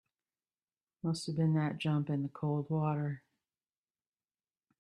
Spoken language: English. Must have been that jump in the cold water.